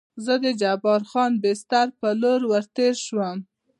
زه د جبار خان بستر په لور ور تېر شوم.